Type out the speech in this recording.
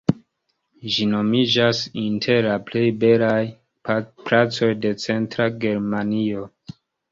Ĝi nomiĝas inter la plej belaj placoj de Centra Germanio.